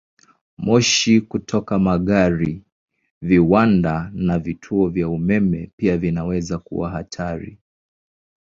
Moshi kutoka magari, viwanda, na vituo vya umeme pia vinaweza kuwa hatari.